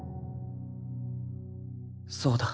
そうだ。